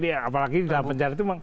ya apalagi di dalam penjara itu